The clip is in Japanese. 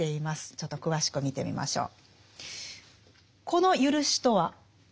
ちょっと詳しく見てみましょう。